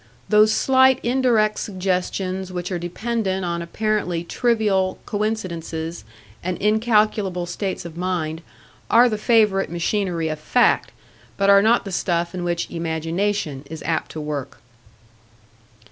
Those slight indirect suggestions which are dependent on apparently trivial coincidences and incalculable states of mind, are the favourite machinery of Fact, but are not the stuff in which Imagination is apt to work.